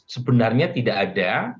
sebenarnya tidak ada